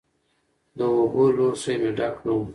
د اوبو لوښی مې ډک نه و.